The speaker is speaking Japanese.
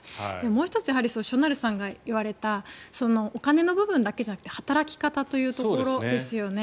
もう１つしょなるさんが言われたお金の部分だけじゃなくて働き方というところですよね。